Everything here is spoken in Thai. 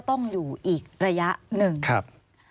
สวัสดีค่ะที่จอมฝันครับ